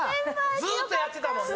ずーっとやってたもんな。